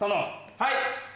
はい！